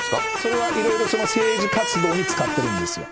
それはいろいろ政治活動に使ってるんですよ。